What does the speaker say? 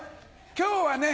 今日はね